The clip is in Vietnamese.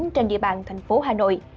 trên địa bàn thành phố hà nội